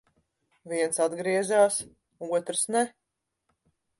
Viens atgriezās, otrs ne.